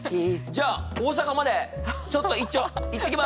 じゃあ大阪までちょっと一丁行ってきます！